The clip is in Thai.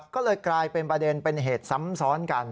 ก็เลยกลายเป็นประเด็นเป็นเหตุซ้ำซ้อนกัน